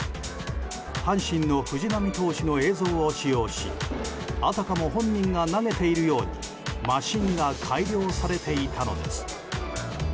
阪神の藤浪投手の映像を使用しあたかも本人が投げているようにマシンが改良されていたのです。